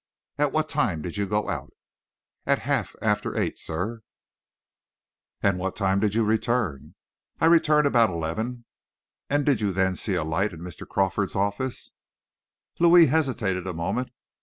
"At what time did you go out?" "At half after the eight, sir." "And what time did you return?" "I return about eleven." "And did you then see a light in Mr. Crawford's office?" Louis hesitated a moment.